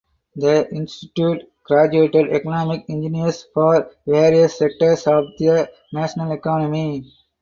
The institute graduated economic engineers for various sectors of the national economy.